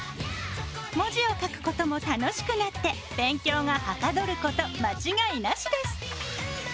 文字を書くことも楽しくなって勉強がはかどること間違いなしです。